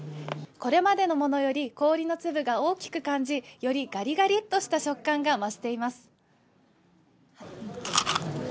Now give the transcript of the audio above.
これまでのものより、氷の粒が大きく感じ、よりガリガリっとした食感が増しています。